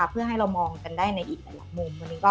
เพื่อให้เรามองกันได้ในอีกหลายมุม